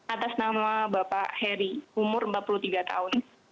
atas nama bapak heri umur empat puluh tiga tahun